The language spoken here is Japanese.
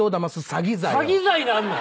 詐欺罪なんの？